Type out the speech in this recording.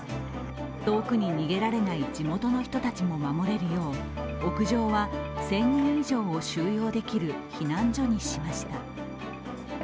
遠くに逃げられない地元の人たちも守れるよう屋上は１０００人以上を収容できる避難所にしました。